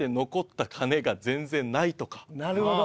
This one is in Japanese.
なるほど。